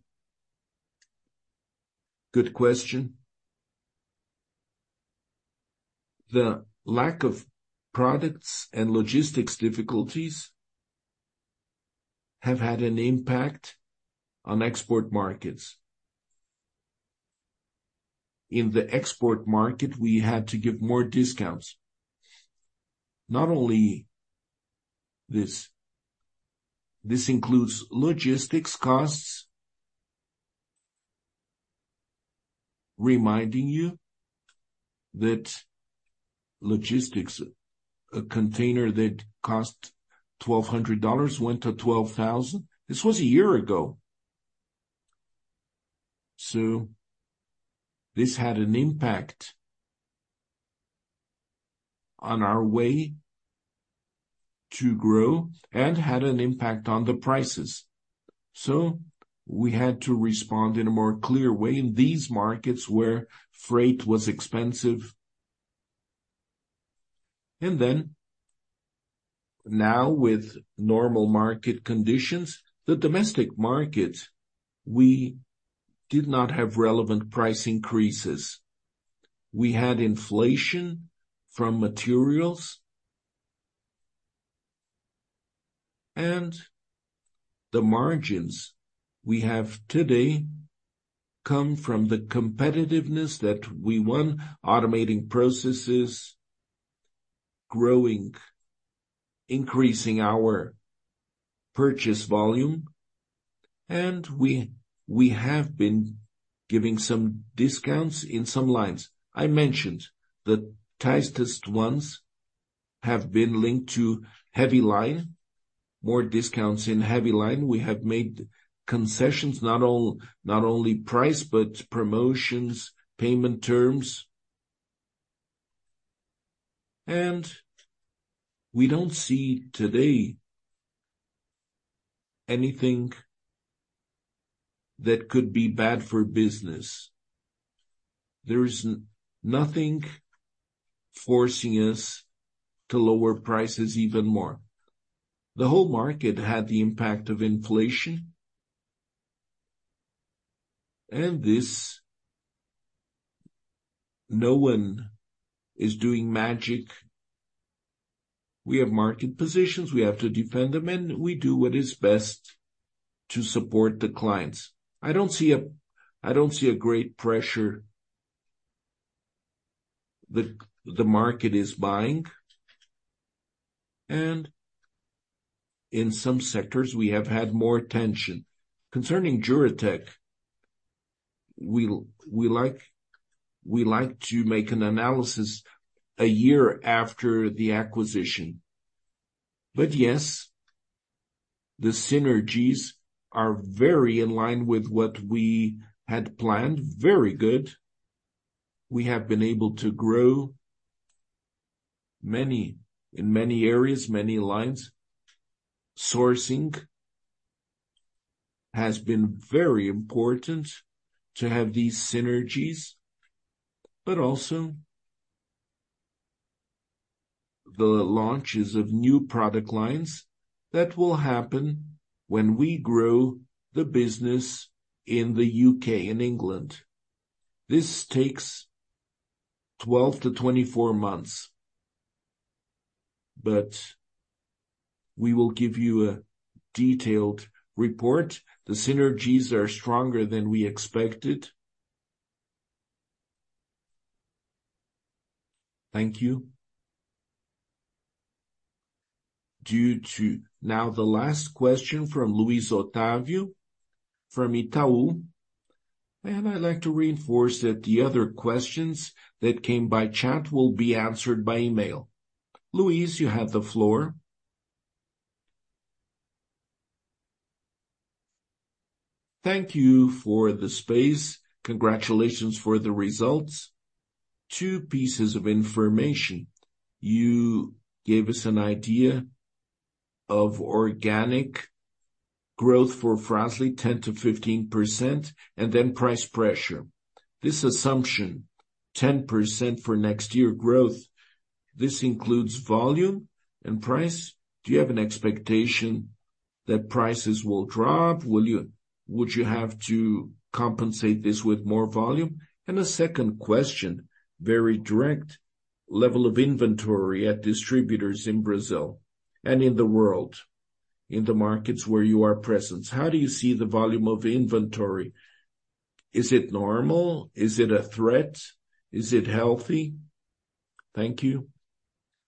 Good question. The lack of products and logistics difficulties have had an impact on export markets. In the export market, we had to give more discounts. Not only this, this includes logistics costs. Reminding you that logistics, a container that cost $1,200 went to $12,000. This was a year ago. So this had an impact on our way to grow and had an impact on the prices. So we had to respond in a more clear way in these markets where freight was expensive. And then, now with normal market conditions, the domestic markets, we did not have relevant price increases. We had inflation from materials, and the margins we have today come from the competitiveness that we won, automating processes, growing, increasing our purchase volume, and we have been giving some discounts in some lines. I mentioned the tightest ones have been linked to heavy line, more discounts in heavy line. We have made concessions, not all, not only price, but promotions, payment terms. And we don't see today anything that could be bad for business. There is nothing forcing us to lower prices even more. The whole market had the impact of inflation, and this, no one is doing magic. We have market positions, we have to defend them, and we do what is best to support the clients. I don't see a great pressure. The market is buying, and in some sectors, we have had more attention. Concerning Juratek, we like to make an analysis a year after the acquisition. But yes, the synergies are very in line with what we had planned. Very good. We have been able to grow in many areas, many lines, sourcing has been very important to have these synergies, but also the launches of new product lines that will happen when we grow the business in the U.K. and England. This takes 12-24 months, but we will give you a detailed report. The synergies are stronger than we expected. Thank you. Now, the last question from Luis Otavio, from Itaú, and I'd like to reinforce that the other questions that came by chat will be answered by email. Luis, you have the floor. Thank you for the space. Congratulations for the results. Two pieces of information. You gave us an idea of organic growth for Fras-le, 10%-15%, and then price pressure. This assumption, 10% for next year growth, this includes volume and price. Do you have an expectation that prices will drop? Will you—Would you have to compensate this with more volume? And a second question, very direct, level of inventory at distributors in Brazil and in the world, in the markets where you are present, how do you see the volume of inventory? Is it normal? Is it a threat? Is it healthy? Thank you.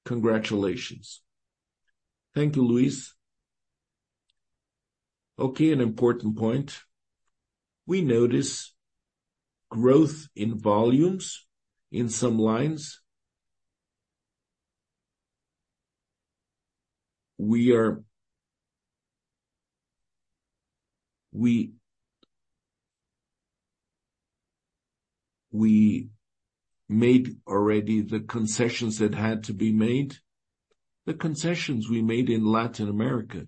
Congratulations. Thank you, Luis. Okay, an important point. We notice growth in volumes in some lines. We made already the concessions that had to be made, the concessions we made in Latin America.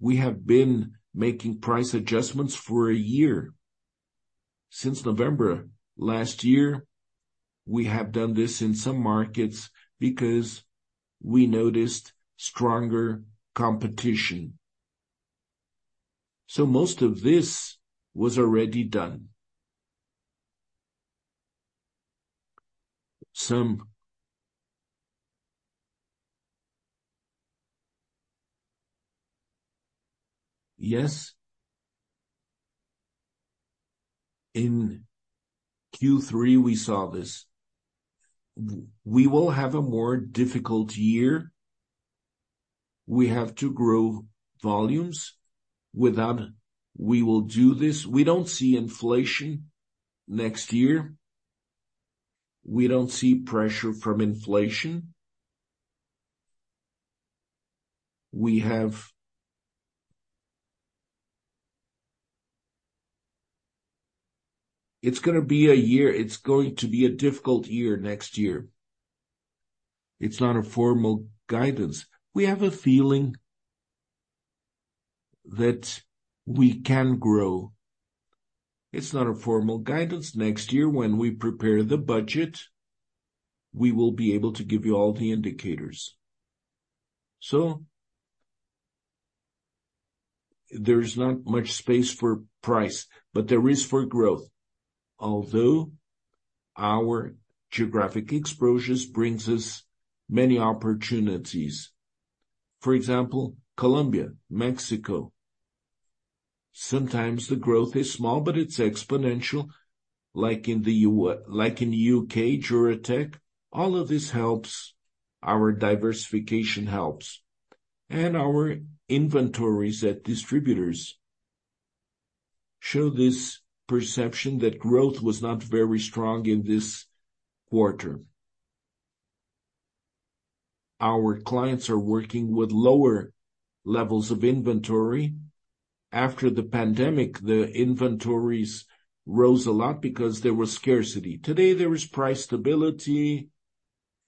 We have been making price adjustments for a year. Since November last year, we have done this in some markets because we noticed stronger competition. So most of this was already done. Yes, in Q3, we saw this. We will have a more difficult year. We have to grow volumes. Without, we will do this. We don't see inflation next year. We don't see pressure from inflation. We have... It's gonna be a year—It's going to be a difficult year next year. It's not a formal guidance. We have a feeling that we can grow. It's not a formal guidance. Next year, when we prepare the budget, we will be able to give you all the indicators. So there's not much space for price, but there is for growth. Although our geographic exposures brings us many opportunities, for example, Colombia, Mexico, sometimes the growth is small, but it's exponential, like in the U.K., Juratek. All of this helps, our diversification helps, and our inventories at distributors show this perception that growth was not very strong in this quarter. Our clients are working with lower levels of inventory. After the pandemic, the inventories rose a lot because there was scarcity. Today, there is price stability,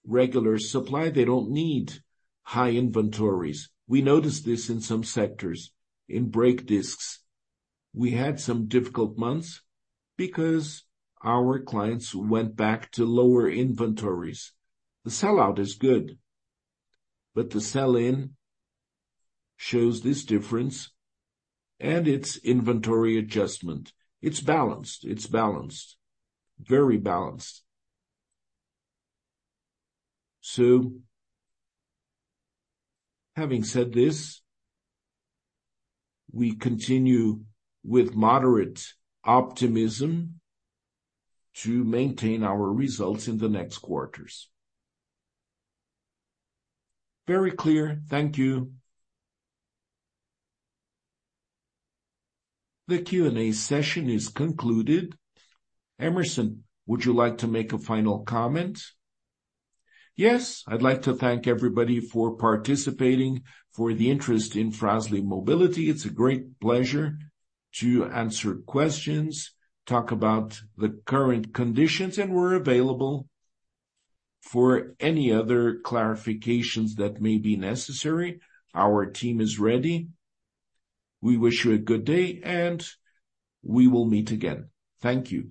regular supply, they don't need high inventories. We noticed this in some sectors. In brake discs, we had some difficult months because our clients went back to lower inventories. The sell out is good, but the sell-in shows this difference and its inventory adjustment. It's balanced. It's balanced. Very balanced. So, having said this, we continue with moderate optimism to maintain our results in the next quarters. Very clear. Thank you. The Q&A session is concluded. Emerson, would you like to make a final comment? Yes, I'd like to thank everybody for participating, for the interest in Frasle Mobility. It's a great pleasure to answer questions, talk about the current conditions, and we're available for any other clarifications that may be necessary. Our team is ready. We wish you a good day, and we will meet again. Thank you.